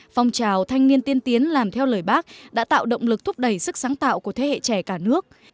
phong trào thanh niên tiên tiến làm theo lời bác đã tạo động lực thúc đẩy sức sáng tạo của thế hệ trẻ cả nước